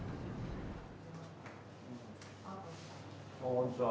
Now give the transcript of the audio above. こんにちは。